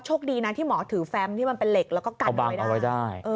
โชคดีนะที่หมอถือแฟมที่มันเป็นเหล็กแล้วก็กัดไว้นะครับเอาบ้างเอาไว้ได้